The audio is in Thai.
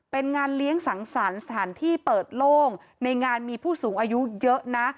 เป็นงานเลี้ยงสังสรรค์สถานที่เปิดโล่งในงานมีผู้สูงอายุเยอะนะ